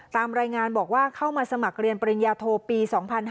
ตามรายงานบอกว่าเข้ามาสมัครเรียนปริญญาโทปี๒๕๕๙